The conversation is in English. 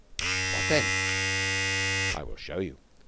"What then?" "I will show you."